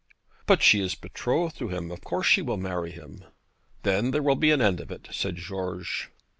'But she is betrothed to him. Of course she will marry him.' 'Then there will be an end of it,' said George.